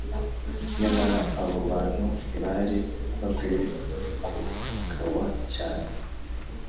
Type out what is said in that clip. Nyamara abo bantu ntibari bakwiye kugawa cyane,